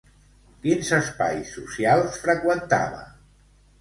Quins espais socials freqüentava?